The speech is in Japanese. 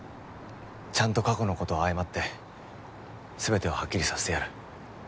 ちゃんと過去の事を謝って全てをはっきりさせてやる。